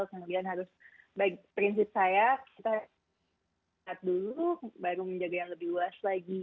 kemudian harus prinsip saya kita lihat dulu baru menjaga yang lebih luas lagi